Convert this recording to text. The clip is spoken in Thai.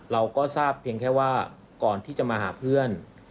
เราก็ทราบเพียงแค่ว่าก่อนที่จะมาหาเพื่อน